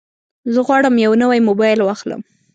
زه غواړم یو نوی موبایل واخلم.